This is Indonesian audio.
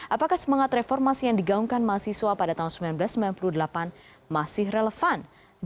apakah semangat reformasi yang digaungkan mahasiswa pada tahun seribu sembilan ratus sembilan puluh delapan masih relevan